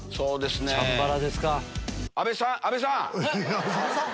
チャンバラですか。